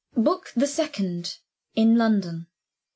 BOOK THE SECOND IN LONDON.